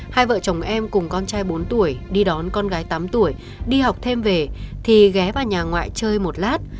hai vợ chồng em cùng con trai bốn tuổi đi đón con gái tám tuổi đi học thêm về thì ghé vào nhà ngoại chơi một lát